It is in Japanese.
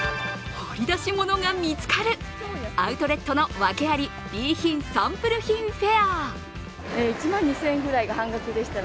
掘り出しものが見つかる、アウトレットのワケあり、Ｂ品・サンプル品フェア。